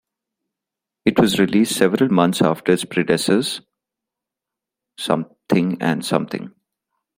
It was released several months after its predecessors, "" and "".